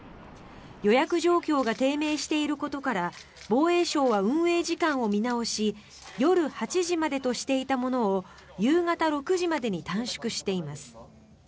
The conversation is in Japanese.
予約状況が低迷していることから防衛省は運営時間を見直し夜８時までとしていたものを夕方６時までに短縮しています。